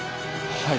はい。